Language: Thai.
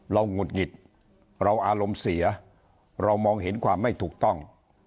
หงุดหงิดเราอารมณ์เสียเรามองเห็นความไม่ถูกต้อง